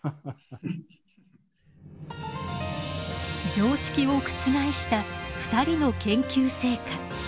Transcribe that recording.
常識を覆した２人の研究成果。